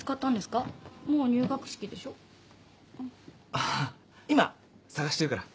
あっ今探してるから。